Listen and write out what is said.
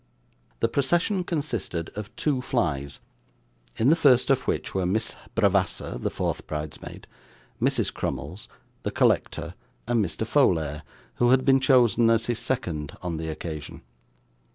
The procession consisted of two flys; in the first of which were Miss Bravassa (the fourth bridesmaid), Mrs. Crummles, the collector, and Mr Folair, who had been chosen as his second on the occasion.